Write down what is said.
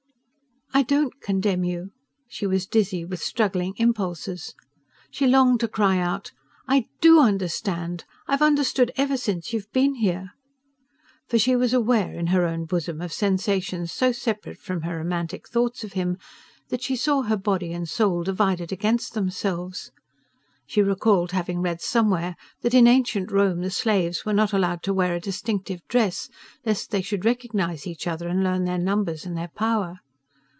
"I don't condemn you." She was dizzy with struggling impulses. She longed to cry out: "I DO understand! I've understood ever since you've been here!" For she was aware, in her own bosom, of sensations so separate from her romantic thoughts of him that she saw her body and soul divided against themselves. She recalled having read somewhere that in ancient Rome the slaves were not allowed to wear a distinctive dress lest they should recognize each other and learn their numbers and their power.